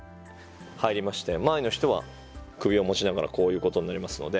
前の人は首を持ちながらこういうことになりますので。